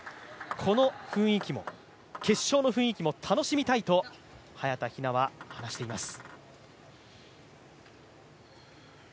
この雰囲気も決勝の雰囲気も楽しみたいと早田ひなは話しています。